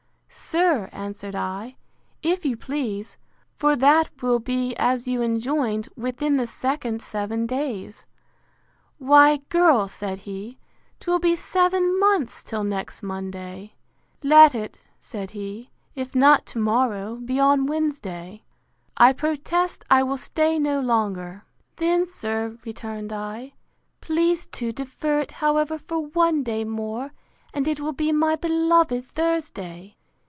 Sir, answered I, if you please; for that will be, as you enjoined, within the second seven days. Why, girl, said he, 'twill be seven months till next Monday. Let it, said he, if not to morrow, be on Wednesday; I protest I will stay no longer. Then, sir, returned I, please to defer it, however, for one day more, and it will be my beloved Thursday!